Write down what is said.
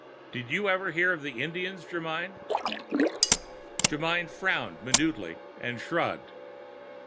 Did you ever hear of Indians, Germyn?" Germyn frowned minutely and shrugged.